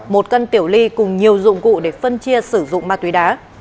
một cân tiểu ly cùng nhiều dụng cụ để phân chia sử dụng ma túy đá